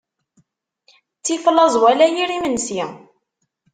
Ttif laẓ wala yir imensi.